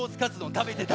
たべてた！